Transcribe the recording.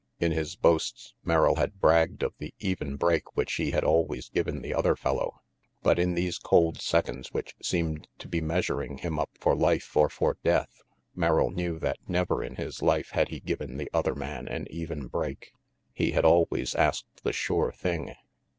In his boasts, Merrill had bragged of the even break which he had always given the other fellow. But in these cold seconds which seemed to be mea suring him up for life or for death, Merrill knew that never in his life had he given the other man an even break. He had always asked the sure thing.